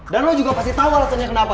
dan lo juga pasti tau alasannya kenapa